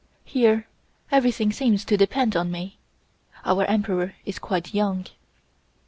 Here everything seems to depend on me. Our Emperor is quite young."